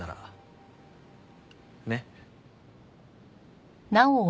ねっ。